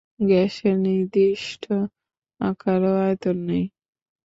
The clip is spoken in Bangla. গ্যাসের নির্দিষ্ট আকার ও আয়তন নেই।